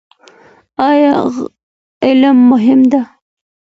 ایا علم مهم دی؟